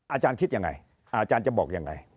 อาจารย์คิดอย่างไรอาจารย์จะบอกอย่างไร